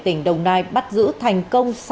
tỉnh đồng nai bắt giữ thành công